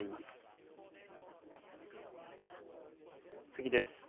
次です。